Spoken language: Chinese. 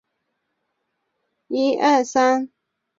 实化是概念分析与知识表示中最常用的技术。